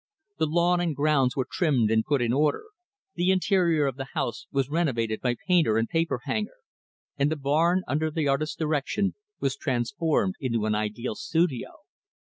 The lawn and grounds were trimmed and put in order; the interior of the house was renovated by painter and paper hanger; and the barn, under the artist's direction, was transformed into an ideal studio.